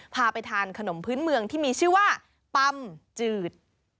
พาไปทานขนมพื้นเมืองที่มีชื่อว่าปั๊มจืด